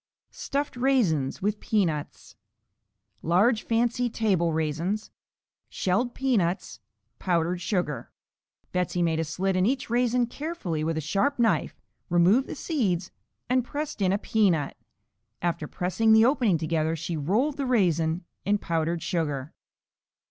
Stuffed Raisins with Peanuts Large fancy table raisins. Peanuts (shelled). Powdered sugar. Betsey made a slit in each raisin, carefully, with a sharp knife, removed the seeds and pressed in a peanut. After pressing the opening together she rolled the raisin in powdered sugar.